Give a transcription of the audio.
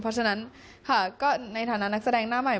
เพราะฉะนั้นค่ะก็ในฐานะนักแสดงหน้าใหม่